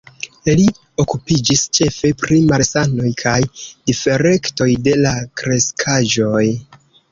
Li okupiĝis ĉefe pri malsanoj kaj difektoj de la kreskaĵoj.